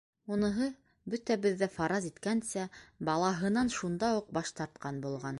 Уныһы, бөтәбеҙ ҙә фараз иткәнсә, балаһынан шунда уҡ баш тартҡан булған.